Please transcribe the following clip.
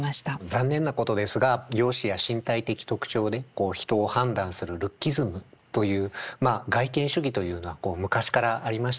残念なことですが容姿や身体的特徴でこう人を判断するルッキズムというまあ外見主義というのはこう昔からありましたよね。